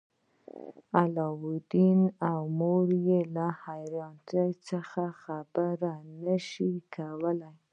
علاوالدین او مور یې له حیرانتیا څخه خبرې نشوای کولی.